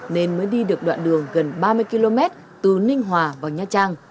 nên mới đi được đoạn đường gần ba mươi km từ ninh hòa vào nha trang